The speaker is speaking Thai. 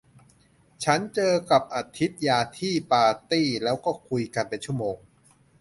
ฉันเจอกับอทิตยาที่ปาร์ตี้แล้วก็คุยกันเป็นชั่วโมง